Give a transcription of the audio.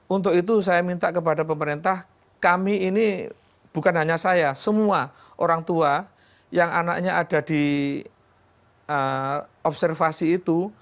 untuk itu saya minta kepada pemerintah kami ini bukan hanya saya semua orang tua yang anaknya ada di observasi itu